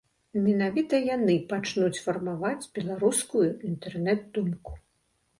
Менавіта яны пачнуць фармаваць беларускую інтэрнэт-думку.